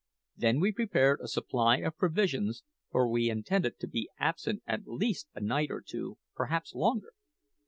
Then we prepared a supply of provisions, for we intended to be absent at least a night or two perhaps longer.